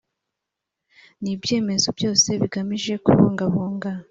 n ibyemezo byose bigamije kubungabunga